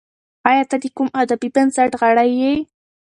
ایا ته د کوم ادبي بنسټ غړی یې؟